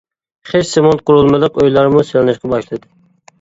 خىش، سېمونت قۇرۇلمىلىق ئۆيلەرمۇ سېلىنىشقا باشلىدى.